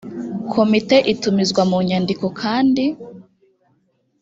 komite itumizwa mu nyandiko kandi